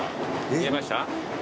見えました？